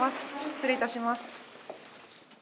失礼いたします。